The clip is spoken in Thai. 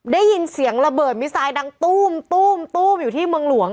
ได้ยินเสียงระเบิดมีทรายดังตู้มตู้มอยู่ที่เมืองหลวง